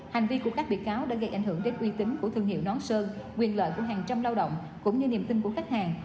hành vi của các bị cáo đã gây ảnh hưởng đến uy tín của thương hiệu nón sơn quyền lợi của hàng trăm lao động cũng như niềm tin của khách hàng